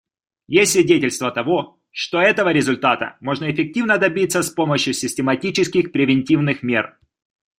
Есть свидетельства того, что этого результата можно эффективно добиться с помощью систематических превентивных мер.